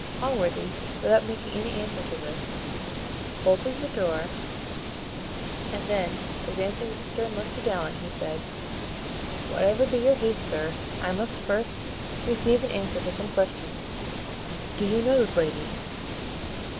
Allworthy, without making any answer to this, bolted the door, and then, advancing with a stern look to Dowling, he said, "Whatever be your haste, sir, I must first receive an answer to some questions. Do you know this lady?"